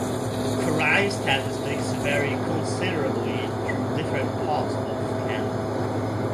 Crime statistics vary considerably through different parts of Canada.